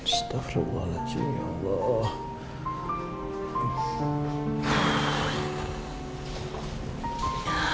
astaghfirullahaladzim ya allah